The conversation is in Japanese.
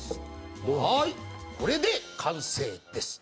はい、これで完成です。